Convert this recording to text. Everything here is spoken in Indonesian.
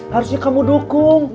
harusnya kamu dukung